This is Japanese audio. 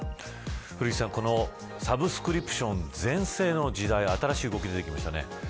古市さん、このサブスクリプション全盛の時代新しい動きが出てきましたね。